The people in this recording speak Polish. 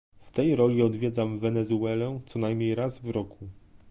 W tej roli odwiedzam Wenezuelę co najmniej raz w roku